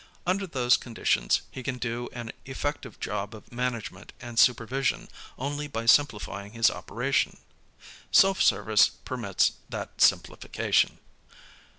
Under those conditions he can do an effective job of management and supervision only by simplifying his operation. Self service permits that simplification.